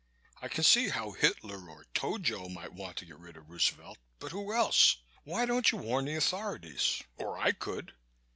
"I can see how Hitler or Tojo might want to get rid of Roosevelt but who else? Why don't you warn the authorities. Or I could."